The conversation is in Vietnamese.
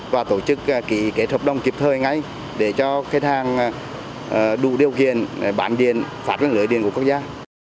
và tổ chức kỹ kế hợp đồng kịp thời ngay để cho khách hàng đủ điều kiện bán điện phát lên lưới điện của quốc gia